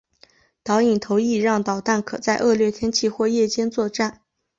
导引头亦让导弹可在恶劣天气或夜间作战。